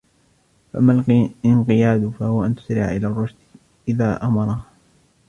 فَأَمَّا الِانْقِيَادُ فَهُوَ أَنْ تُسْرِعَ إلَى الرُّشْدِ إذَا أَمَرَهَا